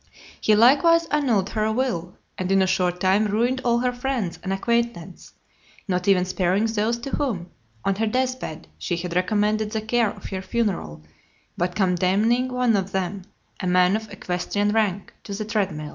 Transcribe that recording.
He likewise annulled her will, and in a short time ruined all her friends and acquaintance; not even sparing those to whom, on her death bed, she had recommended the care of her funeral, but condemning one of them, a man of equestrian rank, to the treadmill.